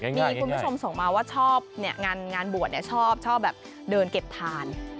มีคุณผู้ชมส่งมาว่าชอบงานบวชชอบแบบเดินเก็บทาน